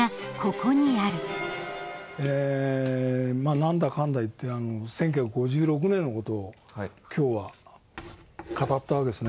何だかんだ言って１９５６年の事を今日は語ったわけですね。